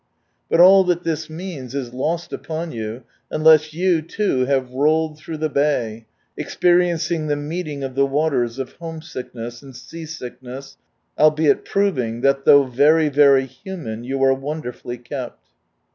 But all that this means, is lost upon you unless you too have rolled through the Bay, experiencing the meeting of the waters of home sickness, and sea sickness, albeit proving that though very very human you are wonderfully kept.